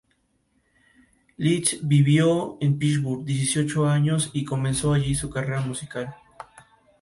Penguin Books tiene su sede oficial en la Ciudad de Westminster, en Londres, Inglaterra.